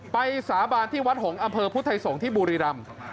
สาบานที่วัดหงษ์อำเภอพุทธไทยสงฆ์ที่บุรีรำ